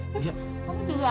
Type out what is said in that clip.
pak pak dengan saya